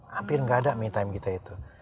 hampir nggak ada me time kita itu